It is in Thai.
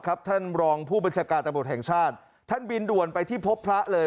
ครับท่านรองผู้บัญชากาประบบแห่งชาติท่านบินด่วนไปที่ผภพพระเลย